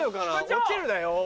落ちるなよ。